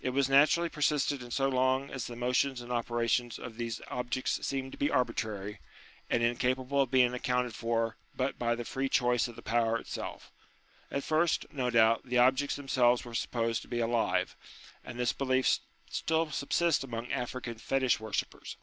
It was natu rally persisted in so long as the motions and operations of these objects seemed to be arbitrary, and incapable of being accounted for but by the free choice of the Power itself. At first, no doubt, the objects them selves were supposed to be alive ; and this belief still subsists among African fetish worshippers.